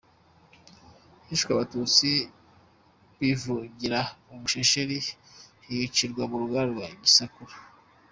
Hishwe Abatutsi b’i Buvungira muri Bushekeri bicirwa ku ruganda rwa Gisakura.